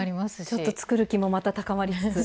ちょっと作る気もまた高まりつつ。